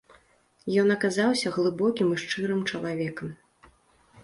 Ён аказаўся глыбокім і шчырым чалавекам.